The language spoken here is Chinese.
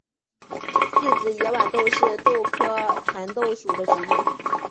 四籽野豌豆是豆科蚕豆属的植物。